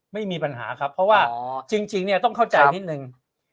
ไม่มีปัญหาครับเพราะว่าจริงเนี่ยต้องเข้าใจนิดนึง